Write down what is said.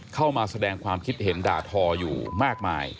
เข้ามาแสดงความคิดเห็นด่าทออยู่มากมาย